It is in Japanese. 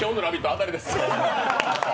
当たりです。